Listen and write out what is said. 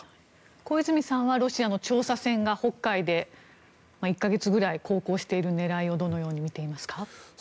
小泉さんはロシアの調査船が北海で１か月ぐらい航行している狙いをどのように見ていますか。